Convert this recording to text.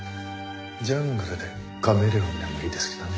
ジャングルでカメレオンでもいいですけどね。